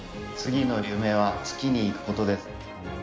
次の夢は月に行くことです。